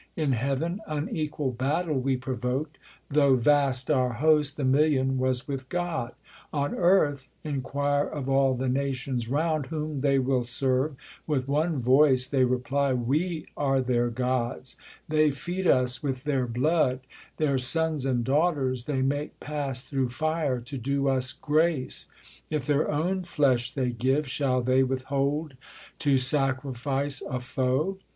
In heav'n, unequal battle we provok'd ; Though vast our host, the million was with God, On earth, inquire of all the nations round Whom they will serve ; with one voice they reply, We are their gods ; they feed us with their blood, Their sons and daughters they make pass through fire To do us grace : if their own flesh they give, Shall they withhold to sacrifice a foe